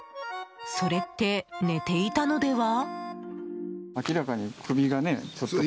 それって寝ていたのでは？